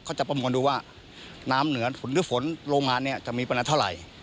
เขาจะประมวลดูว่าน้ำเหนือฝนฤษฝนโลงงานนี้จะมีประนัดเท่าไหร่